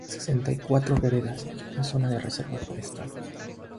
Sesenta y cuatro veredas y una zona de reserva forestal.